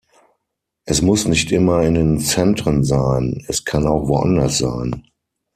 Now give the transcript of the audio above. Es muss nicht immer in den Zentren sein, es kann auch woanders sein.